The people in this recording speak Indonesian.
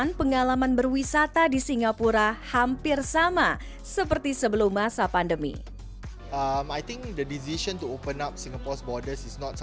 ya pelonggaran kebijakan singapura terbaru ini membuat pengunjung dapat merasa bahwa